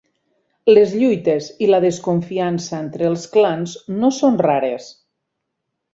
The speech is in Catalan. Les lluites i la desconfiança entre els clans no són rares.